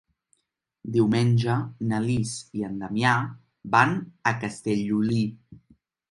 Diumenge na Lis i en Damià van a Castellolí.